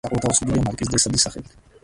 საყოველთაოდ ცნობილია მარკიზ დე სადის სახელით.